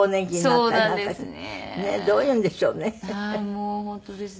もう本当ですね。